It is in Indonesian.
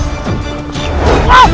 aku ingin menemukan kekuatanmu